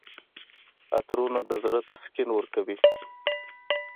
عطرونه د زړه تسکین ورکوي.